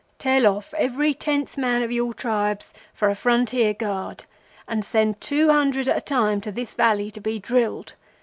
'Tell off every tenth man of your tribes for a Frontier guard, and send two hundred at a time to this valley to be drilled.